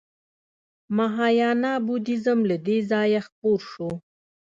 مهایانا بودیزم له دې ځایه خپور شو